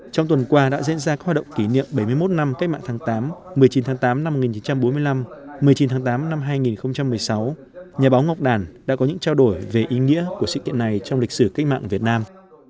trong tuần qua đã diễn ra các hoạt động kỷ niệm bảy mươi một năm cách mạng tháng tám một mươi chín tháng tám năm một nghìn chín trăm bốn mươi năm một mươi chín tháng tám năm hai nghìn một mươi sáu nhà báo ngọc đàn đã có những trao đổi về ý nghĩa của sự kiện này trong lịch sử cách mạng việt nam